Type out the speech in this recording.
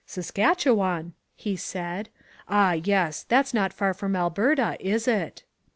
"Saskatchewan," he said, "ah, yes; that's not far from Alberta, is it?"